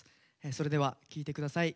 それでは聴いて下さい。